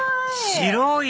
白い！